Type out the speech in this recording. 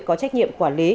có trách nhiệm quản lý